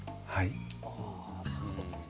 はい。